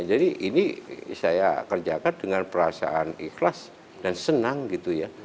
jadi ini saya kerjakan dengan perasaan ikhlas dan senang gitu ya